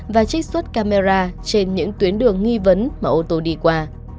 và trích xuất camera trên những tuyến đường nghi vấn mà ô tô đi qua